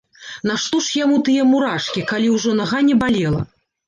Нашто ж яму тыя мурашкі, калі ўжо нага не балела.